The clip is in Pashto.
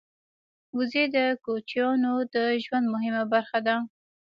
وزې د کوچیانو د ژوند مهمه برخه ده